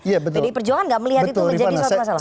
jadi perjuangan tidak melihat itu menjadi suatu masalah